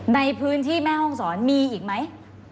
ในพื้นที่แม่ห้องศรมีอีกไหม